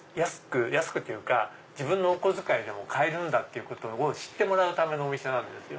安くっていうか自分のお小遣いで買えるんだ！ってことを知ってもらうためのお店なんですよ。